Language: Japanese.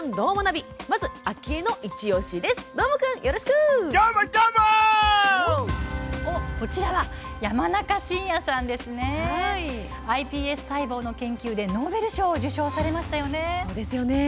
ｉＰＳ細胞の研究でノーベル賞を受賞されましたよね。